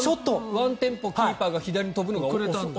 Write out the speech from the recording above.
ワンテンポ、キーパーが左に飛ぶのが遅れたのか。